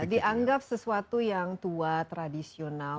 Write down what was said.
dianggap sesuatu yang tua tradisional